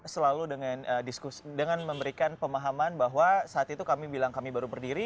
selalu dengan memberikan pemahaman bahwa saat itu kami bilang kami baru berdiri